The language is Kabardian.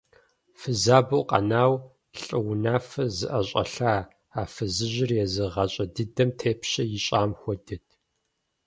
Фызабэу къанэу лӏы унафэр зыӏэщӏэлъа а фызыжьыр езы гъащӏэ дыдэм тепщэ ищӏам хуэдэт.